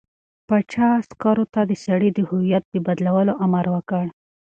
پاچا عسکرو ته د سړي د هویت د بدلولو امر وکړ.